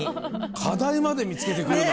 課題まで見つけてくるなんて。